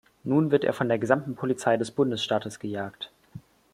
Nun wird er von der gesamten Polizei des Bundesstaates gejagt.